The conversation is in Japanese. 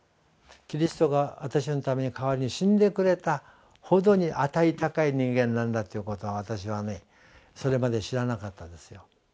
キリストが私のために代わりに死んでくれたほどに値高い人間なんだということを私はそれまで知らなかったですよ。